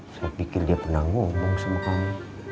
saya pikir dia pernah ngomong sama kami